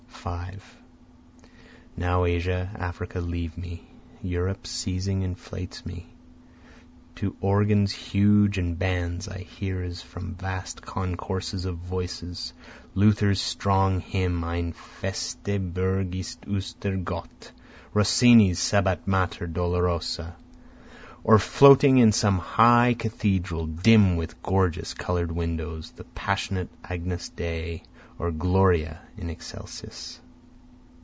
5 Now Asia, Africa leave me, Europe seizing inflates me, To organs huge and bands I hear as from vast concourses of voices, Luther's strong hymn Eine feste Burg ist unser Gott, Rossini's Stabat Mater dolorosa, Or floating in some high cathedral dim with gorgeous color'd windows, The passionate Agnus Dei or Gloria in Excelsis.